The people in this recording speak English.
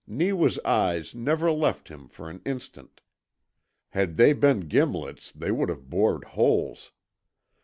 Neewa's eyes never left him for an instant. Had they been gimlets they would have bored holes.